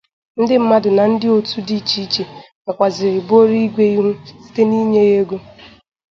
ndị mmadụ na ndị òtù dị icheiche gakwazịrị buoro Igwe ìhù site n'inye ya ego